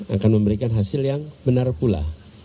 akan memberikan hasil yang benar pula